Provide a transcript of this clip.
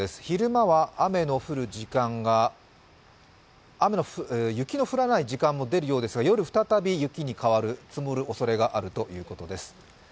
昼間は雪の降らない時間も出るようですが、夜、再び雪に変わる、積もるおそれがあるということです。